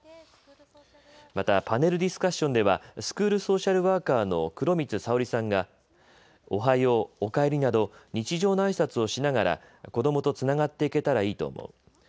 またパネルディスカッションではスクールソーシャルワーカーの黒光さおりさんがおはよう、お帰りなど、日常のあいさつをしながら、子どもとつながっていけたらいいと思う。